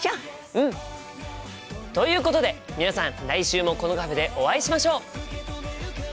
うん！ということで皆さん来週もこのカフェでお会いしましょう！